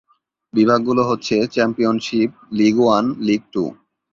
বিভাগগুলো হচ্ছে championship, league one, league two.